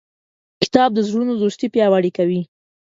کتاب د زړونو دوستي پیاوړې کوي.